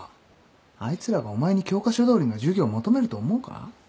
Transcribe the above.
あいつらがお前に教科書どおりの授業求めると思うか？